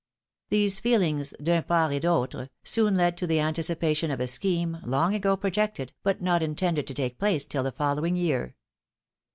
These feelings d'wn part et d'autre soon led to the anticipation of a scheme, long ago projected, but not intended to take place tin the following year.